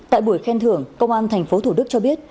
tại buổi khen thưởng công an tp thủ đức cho biết